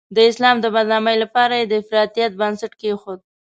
د اسلام د بدنامۍ لپاره یې د افراطیت بنسټ کېښود.